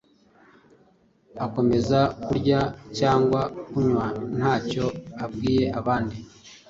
Akomeza kurya cyangwa kunywa nta cyo abwiye abandi